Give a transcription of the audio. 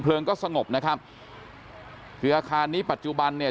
ก็สงบนะครับคืออาคารนี้ปัจจุบันเนี่ย